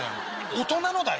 大人のだよ